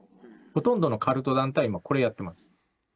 ほとんどのカルト団体もこれやってます。